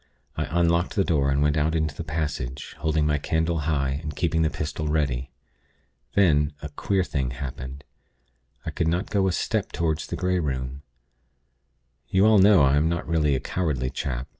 I unlocked the door, and went out into the passage, holding my candle high, and keeping the pistol ready. Then a queer thing happened. I could not go a step toward the Grey Room. You all know I am not really a cowardly chap.